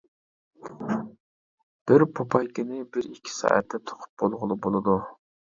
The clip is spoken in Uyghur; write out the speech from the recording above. بىر پوپايكىنى بىر ئىككى سائەتتە توقۇپ بولغىلى بولىدۇ.